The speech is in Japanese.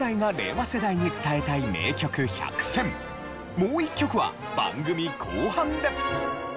もう一曲は番組後半で！